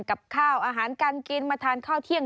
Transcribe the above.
กับข้าวอาหารการกินมาทานข้าวเที่ยง